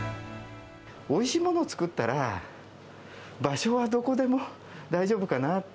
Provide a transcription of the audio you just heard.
おいしいものを作ったら、場所はどこでも大丈夫かなって。